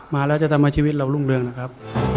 มาแล้วจะทำให้ชีวิตเรารุ่งเรืองนะครับ